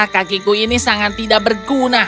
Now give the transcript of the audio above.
kakiku ini sangat tidak berguna